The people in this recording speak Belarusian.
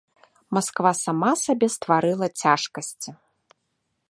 Масква сама сабе стварыла цяжкасці.